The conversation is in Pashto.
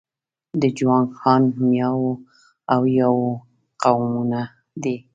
د جوانګ، هان، میاو او یاو قومونه دي.